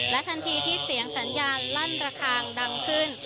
ทันทีที่เสียงสัญญาณลั่นระคางดังขึ้น